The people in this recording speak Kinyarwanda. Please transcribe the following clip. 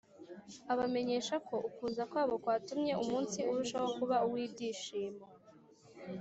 abamenyesha ko ukuza kwabo kwatumye umunsi urushaho kuba uw’ibyishimo